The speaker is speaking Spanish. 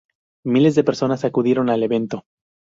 Miles de personas acudieron al evento.